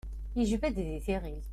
Yejba-d di tiɣilt.